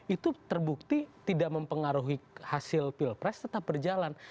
itu terbukti tidak mempengaruhi hasil pilpres tetap berjalan